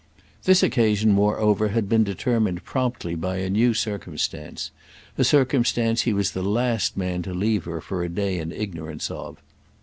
This occasion moreover had been determined promptly by a new circumstance—a circumstance he was the last man to leave her for a day in ignorance of.